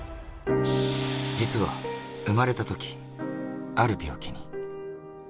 実は生まれた時、ある病気に。